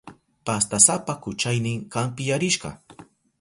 Pastasapa kuchaynin kampiyarishka.